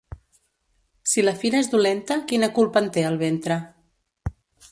Si la fira és dolenta, quina culpa en té el ventre?